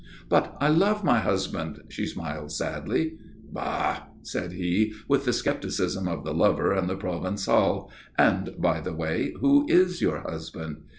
"But I love my husband," she smiled, sadly. "Bah!" said he, with the scepticism of the lover and the Provençal. "And, by the way, who is your husband?"